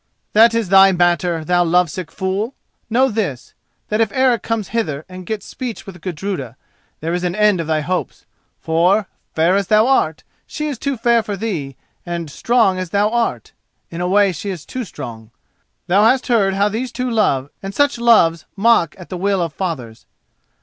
"That is thy matter, thou lovesick fool. Know this: that if Eric comes hither and gets speech with Gudruda, there is an end of thy hopes; for, fair as thou art, she is too fair for thee, and, strong as thou art, in a way she is too strong. Thou hast heard how these two love, and such loves mock at the will of fathers.